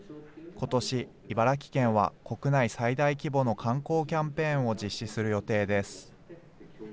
ことし、茨城県は国内最大規模の観光キャンペーンを実施する予定です。